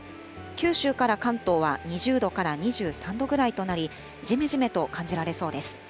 九州から関東は２０度から２３度ぐらいとなり、じめじめと感じられそうです。